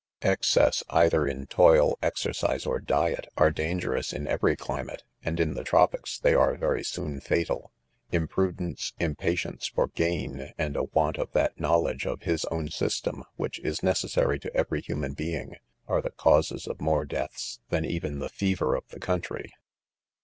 Excess, either in toil, exercise, ox diet, are dangerous in every climate ; and in the tropics, they are very soor\ fatal. Imprudence, impatience for gain, and a want of that knowledge of his own system which is ne~ cessary to every human being, are the causes ©f more ^is than even the fever of the country.